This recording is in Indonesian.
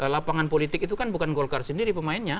lapangan politik itu kan bukan golkar sendiri pemainnya